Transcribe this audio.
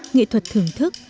nghệ thuật thưởng thức